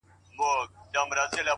حدِاقل چي ته مي باید پُخلا کړې وای-